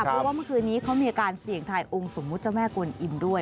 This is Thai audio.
เพราะว่าเมื่อคืนนี้เขามีการเสี่ยงทายองค์สมมุติเจ้าแม่กวนอิ่มด้วย